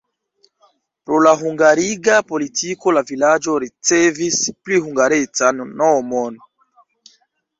Pro la hungariga politiko la vilaĝo ricevis pli hungarecan nomon.